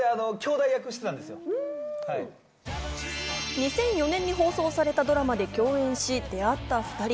２００４年に放送されたドラマで共演し、出会った２人。